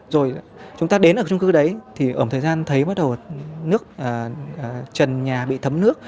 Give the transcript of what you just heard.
rồi chúng ta đến ở trung cư đấy thì ở một thời gian thấy bắt đầu nước trần nhà bị thấm nước